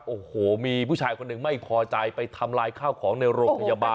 โอ้โหมีผู้ชายคนหนึ่งไม่พอใจไปทำลายข้าวของในโรงพยาบาล